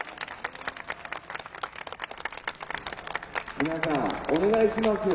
みなさんお願いしますよ。